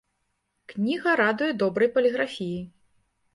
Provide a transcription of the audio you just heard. Кніга радуе добрай паліграфіяй.